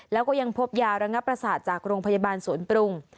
แล้วก็ยังพบยาระงับประสาทจากโรงพยาบาลสวนปรุง